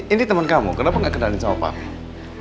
ini temen kamu kenapa gak ke dalam sama papin